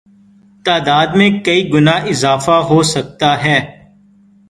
تعداد میں کئی گنا اضافہ ہوسکتا ہے